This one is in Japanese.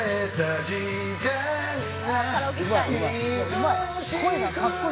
うまい。